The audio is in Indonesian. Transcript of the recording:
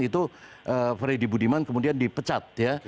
itu freddy budiman kemudian dipecat ya